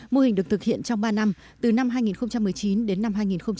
mô hình được thực hiện trong ba năm từ năm hai nghìn một mươi chín đến năm hai nghìn hai mươi